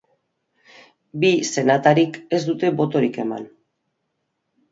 Bi senatarik ez dute botorik eman.